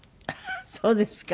そうですか。